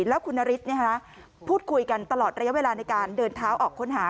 แล้วคุณนฤทธิ์พูดคุยกันตลอดระยะเวลาในการเดินเท้าออกค้นหา